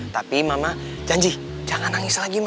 tapi mama janji jangan nangis lagi mama